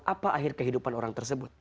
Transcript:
apa akhir kehidupan orang tersebut